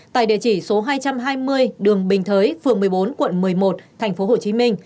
tại địa chỉ số hai trăm hai mươi đường bình thới phường một mươi bốn quận một mươi một tp hcm